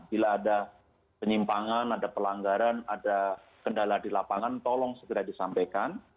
bila ada penyimpangan ada pelanggaran ada kendala di lapangan tolong segera disampaikan